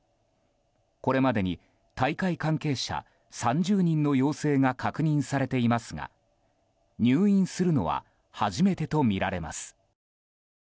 これまでに大会関係者３０人の陽性が確認されていますが入院するのは初めてとみられます。